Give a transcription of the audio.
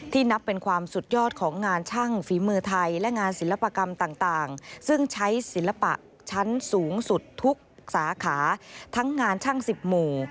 นับเป็นความสุดยอดของงานช่างฝีมือไทยและงานศิลปกรรมต่างซึ่งใช้ศิลปะชั้นสูงสุดทุกสาขาทั้งงานช่างสิบหมู่